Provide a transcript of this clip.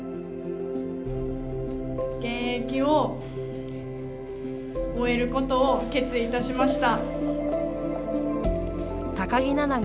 現役を終えることを決意いたしました。